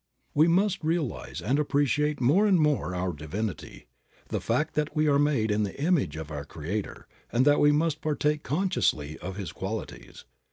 We must realize and appreciate more and more our divinity, the fact that we are made in the image of our Creator and that we must partake consciously of His qualities.